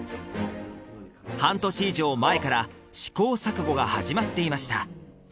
半年以上前から試行錯誤が始まっていました